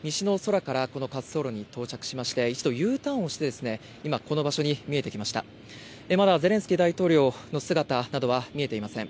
先ほどまで見えていなかったんですけれども西の空からこの滑走路に到着しまして一度、Ｕターンして今この場所に見えてきましたがゼレンスキー大統領の姿などは見えていません。